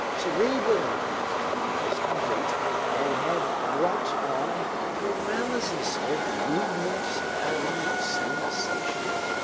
Cerebral inflammation was complete and had brought on a paralysis of movement and sensation.